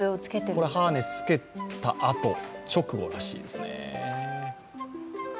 これはハーネスをつけた直後らしいですね。